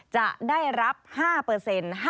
จะได้รับ๕เปอร์เซ็นต์